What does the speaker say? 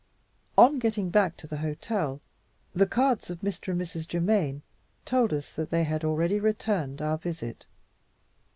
On getting back to the hotel, the cards of Mr. and Mrs. Germaine told us that they had already returned our visit.